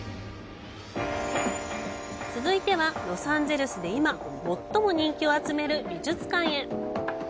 続いては、ロサンゼルスで今最も人気を集める美術館へ。